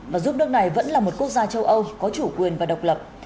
và giúp nước này vẫn là một quốc gia châu âu có chủ quyền và độc lập